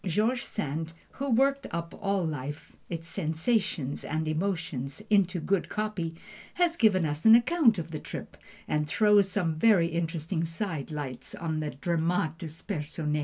George Sand, who worked up all life, its sensations and emotions, into good copy, has given us an account of the trip, that throws some very interesting side lights on the dramatis personæ.